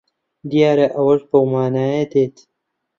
دیارە ئەوەش بەو مانایە دێت